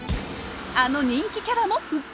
あの人気キャラも復活！